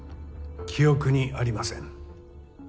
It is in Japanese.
記憶にありません。